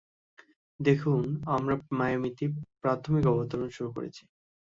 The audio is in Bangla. দেখুন, আমরা মায়ামিতে প্রাথমিক অবতরণ শুরু করেছি।